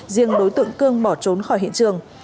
riêng đối tượng cương bỏ trốn khỏi hiện trường